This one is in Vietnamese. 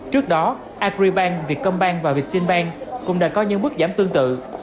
trước đó agribank vietcombank và việt tên băng cũng đã có những bước giảm tương tự